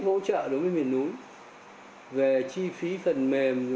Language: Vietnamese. hỗ trợ đối với miền núi về chi phí phần mềm